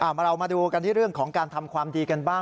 มาเรามาดูกันที่เรื่องของการทำความดีกันบ้าง